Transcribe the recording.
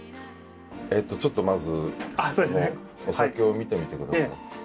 ちょっとまずお酒を見てみてください。